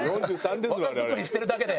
若作りしてるだけで。